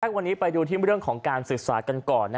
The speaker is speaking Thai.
พวกเราไปดูเรื่องของของการศึกษากันก่อน